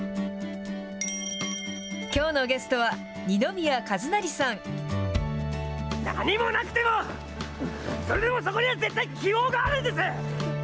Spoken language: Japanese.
きょうのゲストは、何もなくても、それでもそこには絶対希望があるんです！